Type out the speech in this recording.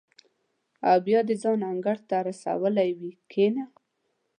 او بیا دې ځان انګړ ته رسولی وي کېنه.